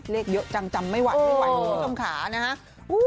เลขเยอะจำไม่หวั่นคุณผู้ชมขานะฮะ